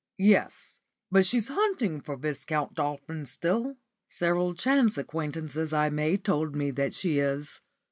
"Yes, but she's hunting for Viscount Dolphin still. Several chance acquaintances I made told me that she is.